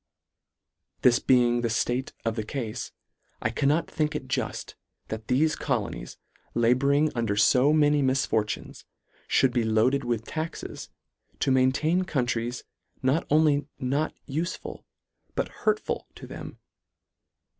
This being the ftate of the cafe, I cannot think it juft, that thefe colonies, labouring under fo many misfortunes, fhould be loaded with taxes, to maintain countries not only not ufeful, but hurtful to them.